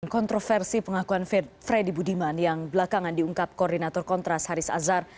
kontroversi pengakuan freddy budiman yang belakangan diungkap koordinator kontras haris azhar